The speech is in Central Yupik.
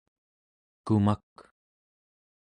kumak